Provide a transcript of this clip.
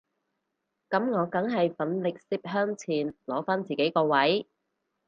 噉我梗係奮力攝向前攞返自己個位